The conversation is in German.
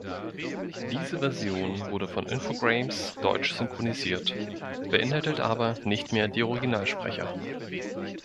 Diese Version wurde von Infogrames deutsch synchronisiert, beinhaltet aber nicht mehr die Originalsprecher.